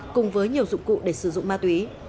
cùng với nhiều dụng cụ để sử dụng ma túy